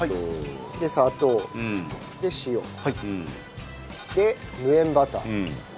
砂糖塩。で無塩バター。